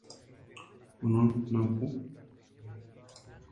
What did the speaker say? Eva sólo aparece más adelante en cada una de las escenas.